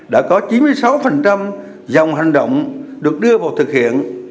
đã có chín mươi sáu dòng hành động được đưa vào thực hiện